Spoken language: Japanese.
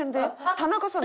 田中さん